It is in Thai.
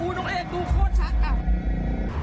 อุ้ยต้องเอกดูโคตรชัดอ่ะ